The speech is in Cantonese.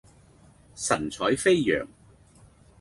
神采飛揚